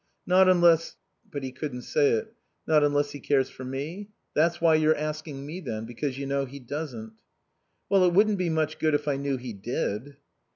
"Not unless " But he couldn't say it. "Not unless he cares for me. That's why you're asking me, then, because you know he doesn't." "Well, it wouldn't be much good if I knew he did."